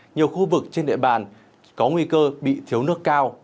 nhiều khu vực trên địa bàn có nguy cơ bị thiếu nước cao